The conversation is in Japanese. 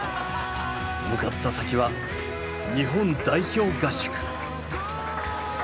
向かった先は日本代表合宿。